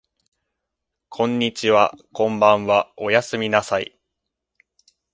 こんにちはこんばんはおやすみなさい